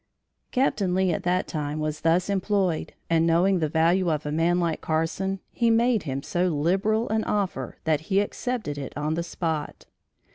Captain Lee at that time was thus employed and knowing the value of a man like Carson, he made him so liberal an offer that he accepted it on the spot.